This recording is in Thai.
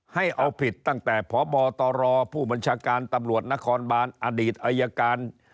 ให้เอาผิดตั้งแต่พบตรผู้บัญชาการตำรวจนครบานอดีตอายการ